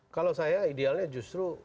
kalau saya idealnya justru